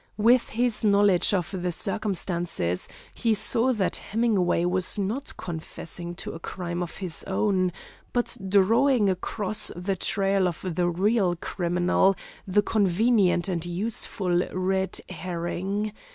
With his knowledge of the circumstances he saw that Hemingway was not confessing to a crime of his own, but drawing across the trail of the real criminal the convenient and useful red herring.